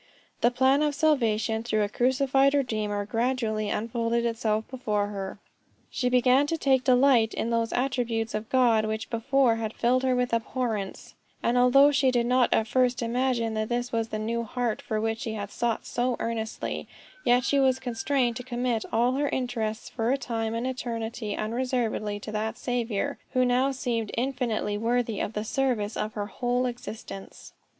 The plan of salvation through a crucified Redeemer, gradually unfolded itself before her; she began to take delight in those attributes of God which before had filled her with abhorrence; and although she did not at first imagine that this was the new heart for which she had sought so earnestly, yet she was constrained to commit all her interests for time and eternity unreservedly to that Saviour, who now seemed infinitely worthy of the service of her whole existence.